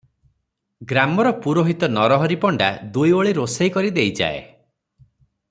ଗ୍ରାମର ପୁରୋହିତ ନରହରି ପଣ୍ଡା ଦୁଇଓଳି ରୋଷେଇ କରି ଦେଇଯାଏ ।